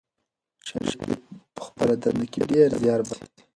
شریف په خپله دنده کې ډېر زیار باسي.